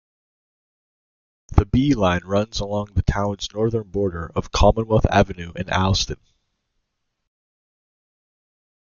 The B line runs along the town's northern border of Commonwealth Avenue in Allston.